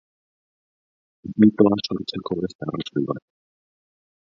Mitoa sortzeko beste arrazoi bat.